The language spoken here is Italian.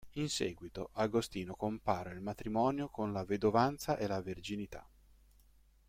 In seguito, Agostino compara il matrimonio con la vedovanza e la verginità.